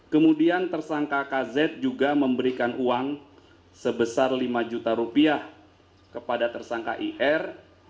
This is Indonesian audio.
kemudian tersangka kz juga memberikan uang sebesar lima juta rupiah kepada tersangka ir